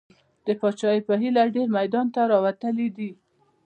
د پاچاهۍ په هیله ډېر میدان ته راوتلي دي.